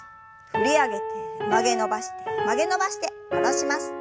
振り上げて曲げ伸ばして曲げ伸ばして戻します。